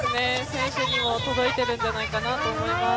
選手にも届いているんじゃないかなと思います。